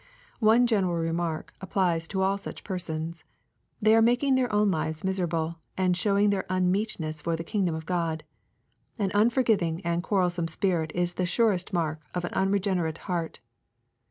One general remark applies to all such persons. They are making their own lives miserable and showing their unmeetness for the kingdom of God. An unforgiving and quarrelsome spirit is the surest mark of an unregen erate heart.